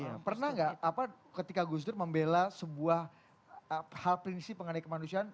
ya pernah enggak apa ketika gus dur membela sebuah hal prinsip mengenai kemanusiaan